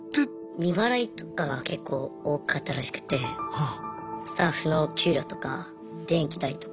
未払いとかが結構多かったらしくてスタッフの給料とか電気代とか。